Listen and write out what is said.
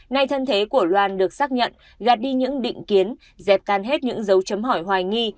nay thân thế của loan được xác nhận gạt đi những định kiến dẹp tan hết những dấu chấm hỏi hoài nghi